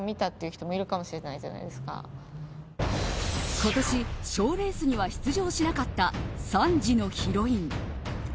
今年、賞レースには出場しなかった３時のヒロイン。